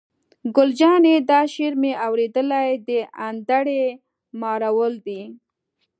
ګل جانې: دا شعر مې اورېدلی، د انډرې مارول دی.